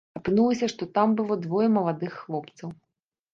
Апынулася, што там было двое маладых хлопцаў.